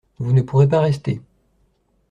Vous ne pourrez pas rester.